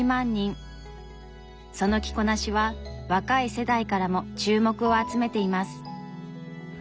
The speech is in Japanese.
その着こなしは若い世代からも注目を集めています。